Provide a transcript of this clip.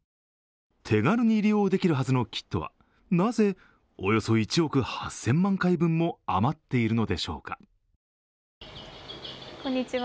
手軽に利用できるはずのキットはなぜおよそ１億８０００万回分も余っているのでしょうか。